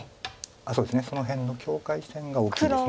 そうですねその辺の境界線が大きいです。